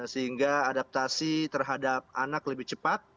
sehingga adaptasi terhadap anak lebih cepat